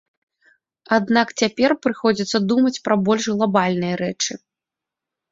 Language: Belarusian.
Аднак цяпер прыходзіцца думаць пра больш глабальныя рэчы.